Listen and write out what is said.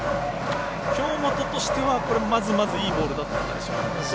京本としてはまずまずいいボールだったでしょうか。